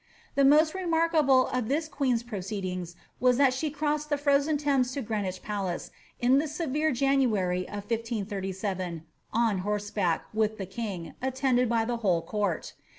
The most remarkable of this queen's proceedings was that she crossed the frozen Tliames to Greenwich Palace in the severe January of 1537, on horseback, with the king, attended by their whole court.